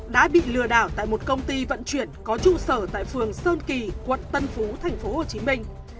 đã bị lừa đảo tại một công ty vận chuyển có trụ sở tại phường sơn kỳ quận tân phú thành phố hồ chí minh